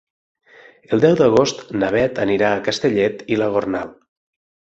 El deu d'agost na Bet anirà a Castellet i la Gornal.